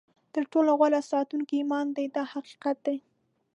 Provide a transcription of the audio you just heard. تر ټولو غوره ساتونکی ایمان دی دا حقیقت دی.